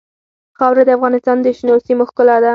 خاوره د افغانستان د شنو سیمو ښکلا ده.